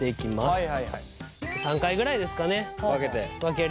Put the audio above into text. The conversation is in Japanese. はい。